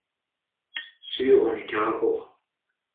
sur on e karor.